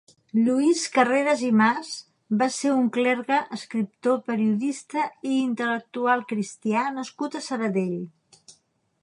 Lluís Carreras i Mas va ser un clergue, escriptor, periodista i intel·lectual cristià nascut a Sabadell.